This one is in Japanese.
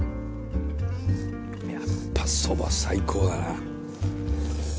やっぱそば最高だなぁ。